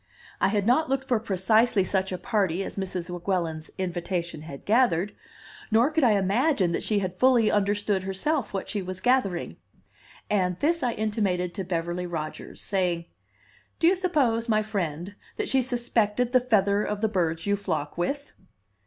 I had not looked for precisely such a party as Mrs. Weguelin's invitation had gathered, nor could I imagine that she had fully understood herself what she was gathering; and this I intimated to Beverly Rodgers, saying: "Do you suppose, my friend, that she suspected the feather of the birds you flock with?"